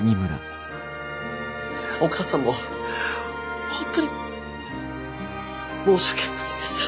お母さんも本当に申し訳ありませんでした。